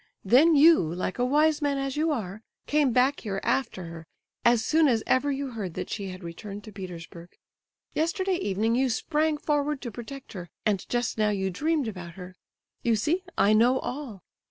Then you—like a wise man as you are—came back here after her as soon as ever you heard that she had returned to Petersburg. Yesterday evening you sprang forward to protect her, and just now you dreamed about her. You see, I know all.